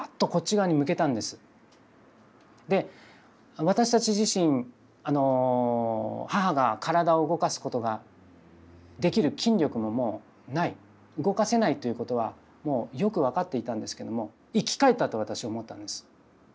で私たち自身母が体を動かすことができる筋力ももうない動かせないということはもうよく分かっていたんですけども「生き返った」と私思ったんです。